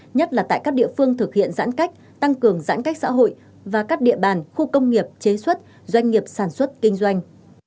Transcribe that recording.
nhất là tại các địa phương thực hiện giãn cách tăng cường giãn cách xã hội và các địa bàn khu công nghiệp chế xuất doanh nghiệp sản xuất kinh doanh